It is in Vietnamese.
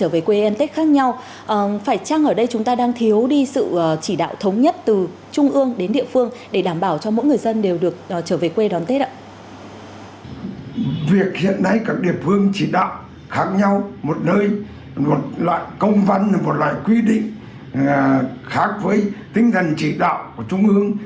việc hiện nay các địa phương chỉ đạo khác nhau một nơi một loại công văn một loại quy định khác với tinh thần chỉ đạo của trung ương